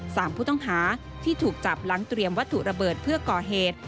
สามผู้ต้องหาที่ถูกจับหลังเตรียมวัตถุระเบิดเพื่อก่อเหตุ